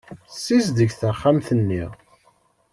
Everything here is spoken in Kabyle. Ssizdeg taxxamt-nni.